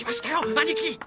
兄貴。